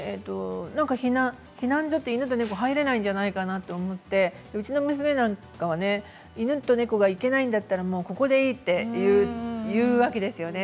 避難所には犬と猫が入れないじゃないかと思ってうちの娘なんかは犬と猫がいけないんだったら、ここでいいというわけですよね。